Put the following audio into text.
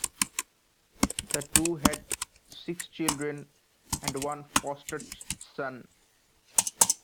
The two had six children and one foster son.